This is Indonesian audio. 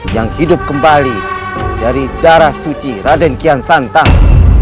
yang hidup kembali dari darah suci raden kian santang